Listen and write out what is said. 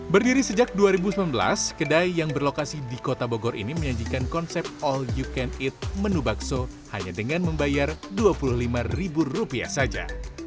berdiri sejak dua ribu sembilan belas kedai yang berlokasi di kota bogor ini menyajikan konsep all you can eat menu bakso hanya dengan membayar dua puluh lima ribu rupiah saja